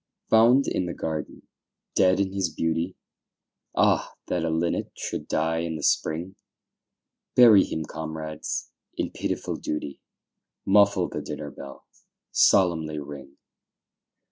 Found in the garden dead in his beauty. Ah! that a linnet should die in the spring! Bury him, comrades, in pitiful duty, Muffle the dinner bell, solemnly ring.